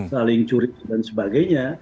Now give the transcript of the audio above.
saling curi dan sebagainya